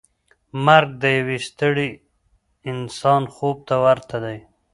مرګ د یو ستړي انسان خوب ته ورته دی.